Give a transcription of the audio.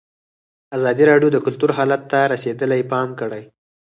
ازادي راډیو د کلتور حالت ته رسېدلي پام کړی.